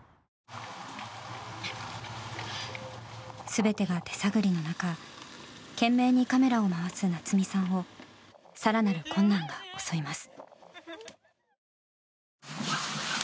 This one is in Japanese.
全てが手探りの中懸命にカメラを回す夏実さんを更なる困難が襲います。